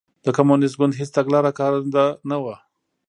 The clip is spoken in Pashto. د کمونېست ګوند هېڅ تګلاره کارنده نه وه.